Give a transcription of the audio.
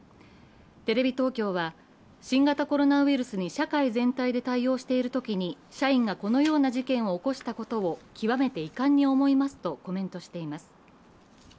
テレビ東京は、新型コロナウイルスに社会全体で対応しているときに社員がこのような事件を起こしたことを極めて遺憾に思いますとコメントしています。